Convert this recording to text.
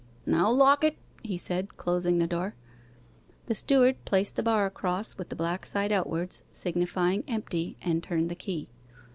'Now lock it,' he said, closing the door. The steward placed the bar across, with the black side outwards, signifying 'empty,' and turned the key.